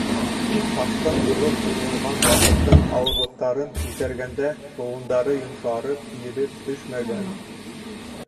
Ташҡын булып урғылған ваҡыттың ауырлыҡтарын күтәргәндә, быуындары йомшарып, ебеп төшмәгән.